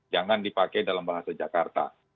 jangan dipakai dalam bahasa jakarta